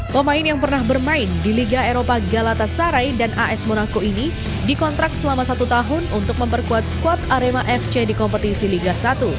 pemain yang pernah bermain di liga eropa galatas sarai dan as monaco ini dikontrak selama satu tahun untuk memperkuat squad arema fc di kompetisi liga satu